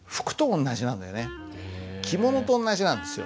着物と同じなんですよ。